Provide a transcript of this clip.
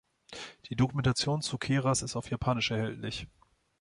Die Dokumentation zu Keras ist auf Japanisch erhältlich.